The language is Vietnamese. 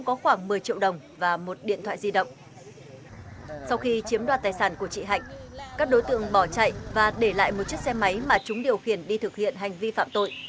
các đối tượng bỏ chạy và để lại một chiếc xe máy mà chúng điều khiển đi thực hiện hành vi phạm tội